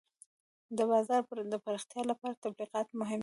د بازار د پراختیا لپاره تبلیغات مهم دي.